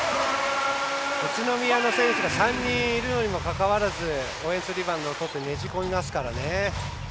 宇都宮の選手が３人いるのにもかかわらずオフェンスリバウンドをとってねじ込みますからね。